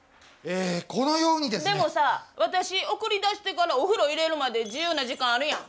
でもさ、私、送り出してからお風呂入れるまで自由な時間あるやん。